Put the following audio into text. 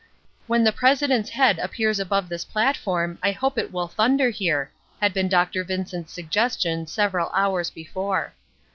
"When the president's head appears above this platform, I hope it will thunder here," had been Dr. Vincent's suggestion several hours before.